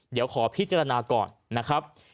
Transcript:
เดี๋ยวขอพิจารณาก่อนนะครับ